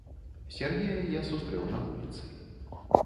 Сяргея я сустрэў на вуліцы.